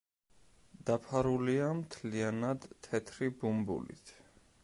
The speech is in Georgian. დაფარულია მთლიანად თეთრი ბუმბულით.